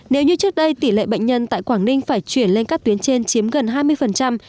nếu như trước đây tỷ lệ bệnh nhân tại quảng ninh phải chuyển lên các tuyến trên chiếm gần hai mươi